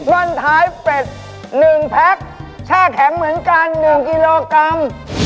มั่นท้ายเป็ดหนึ่งแพ็กแช่แข็งเหมือนกันหนึ่งกิโลกรัม